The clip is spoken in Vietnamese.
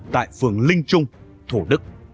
tại phường linh trung thổ đức